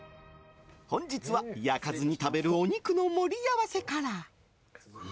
本日は焼かずに食べるお肉の盛り合わせから。